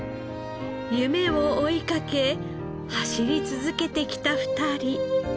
夢を追いかけ走り続けてきた二人。